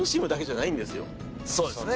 そうですね。